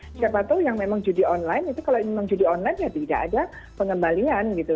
siapa tahu yang memang judi online itu kalau memang judi online ya tidak ada pengembalian gitu